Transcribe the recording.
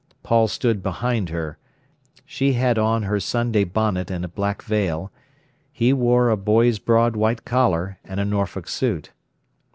Paul stood behind her. She had on her Sunday bonnet and a black veil; he wore a boy's broad white collar and a Norfolk suit.